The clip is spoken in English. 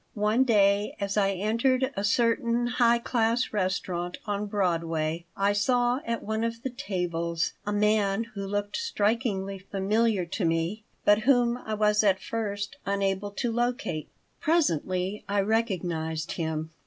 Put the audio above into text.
One day, as I entered a certain high class restaurant on Broadway, I saw at one of the tables a man who looked strikingly familiar to me, but whom I was at first unable to locate. Presently I recognized him.